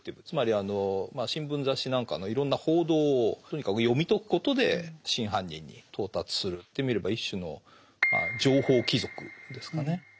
つまり新聞雑誌なんかのいろんな報道をとにかく読み解くことで真犯人に到達する言ってみれば一種の情報貴族ですかね。